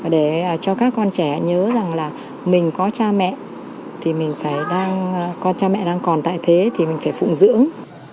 để cho các con trẻ nhớ rằng là mình có cha mẹ thì mình phải đang con cha mẹ đang còn tại thế thì mình phải phụng dưỡng